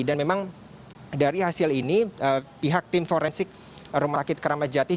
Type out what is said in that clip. dan memang dari hasil ini pihak tim forensik rumah sakit keramajati rs polri